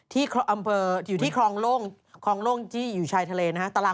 ที่อำเภออยู่ที่คลองโล่งที่อยู่ชายทะเลนะฮะ